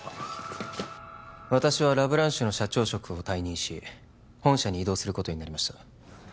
私はラ・ブランシュの社長職を退任し本社に異動することになりました